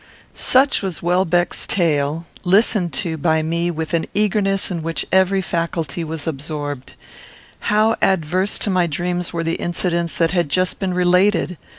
Such was Welbeck's tale, listened to by me with an eagerness in which every faculty was absorbed. How adverse to my dreams were the incidents that had just been related!